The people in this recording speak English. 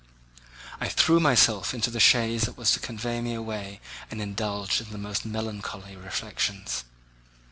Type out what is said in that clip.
I threw myself into the chaise that was to convey me away and indulged in the most melancholy reflections.